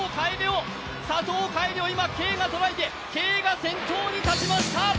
佐藤楓を今、Ｋが捉えてＫが先頭に立ちました！